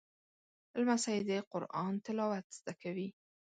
لمسی د قرآن تلاوت زده کوي.